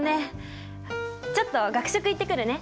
ちょっと学食行ってくるね。